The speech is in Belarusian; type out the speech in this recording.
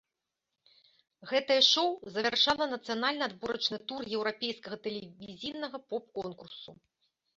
Гэтае шоу завяршала нацыянальны адборачны тур еўрапейскага тэлевізійнага поп-конкурсу.